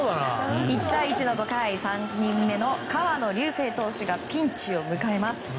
１対１の５回３人目の河野竜生投手がピンチを迎えます。